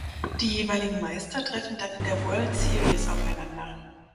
Die jeweiligen Meister treffen dann in der World Series aufeinander.